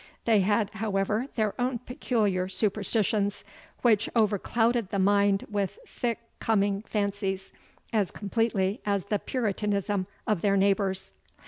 They had, however, their own peculiar superstitions, which overclouded the mind with thick coming fancies, as completely as the puritanism of their neighbours.